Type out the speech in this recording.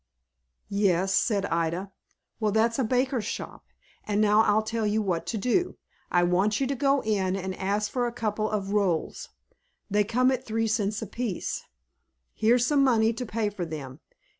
"Yes," said Ida. "Well, that is a baker's shop. And now I'll tell you what to do. I want you to go in, and ask for a couple of rolls. They come at three cents apiece. Here's some money to pay for them.